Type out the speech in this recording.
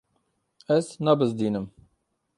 Ez nabizdînim.